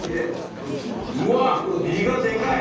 うわ身がでかい！